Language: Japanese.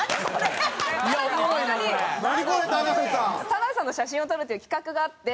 田辺さんの写真を撮るっていう企画があって。